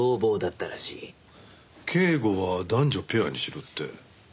警護は男女ペアにしろって？